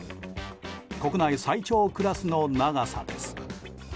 国内最長クラスの長さです。